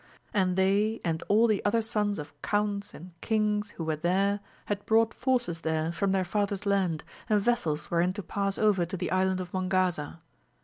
And they and all the other sons of counts and kings who were there had brought forces there from their father's land, and vessels wherein to pass over to the Island of Mongaza.